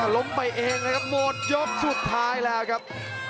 ล้มไปเองนะครับหมดยกสุดท้ายแล้วครับ